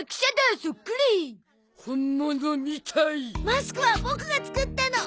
マスクはボクが作ったの。